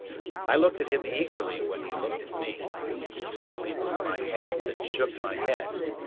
I looked at him eagerly when he looked at me, and slightly moved my hands and shook my head.